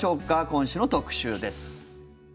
今週の特集です。